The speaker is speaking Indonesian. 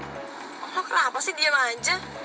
kamu kenapa sih diem aja